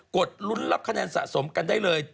ดลุ้นรับคะแนนสะสมกันได้เลย